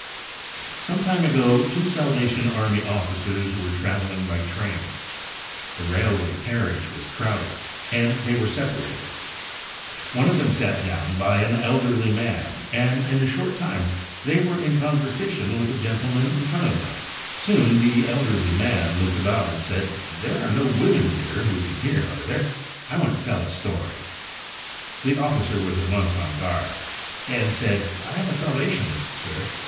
Some time ago, two Salvation Army Officers were travelling by train. The railway carriage was crowded, and they were separated. One of them sat down by an elderly man, and in a short time they were in conversation with a gentleman in front of them. Soon the elderly man looked about and said, ' There are no women near who can hear, are there ? I want to tell a story.' The Officer was at once on guard, and said, ' I am a Salvationist, sir.